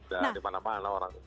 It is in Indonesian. udah dimana mana orang